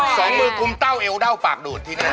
สองมือคุมเต้าเอวเด้าปากดูดที่หน้า